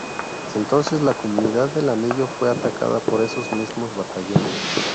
Entonces la Comunidad del Anillo fue atacada por esos mismos batallones.